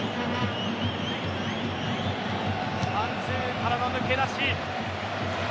ワンツーからの抜け出し。